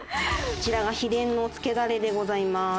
こちらが秘伝のつけダレでございます。